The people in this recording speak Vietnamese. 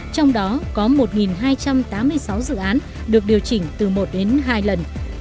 trong đó có một hai trăm tám mươi sáu dự án được điều chỉnh từ một đến hai lần